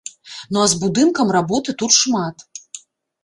Ну а з будынкам работы тут шмат.